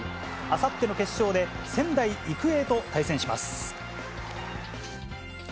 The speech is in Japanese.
あさっての決勝で、仙台育英と対戦します。